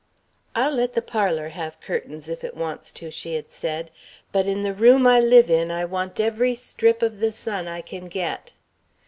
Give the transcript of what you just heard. "I'll let the parlour have curtains if it wants to," she had said, "but in the room I live in I want every strip of the sun I can get."